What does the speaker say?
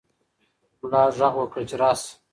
ملا غږ وکړ چې راشه.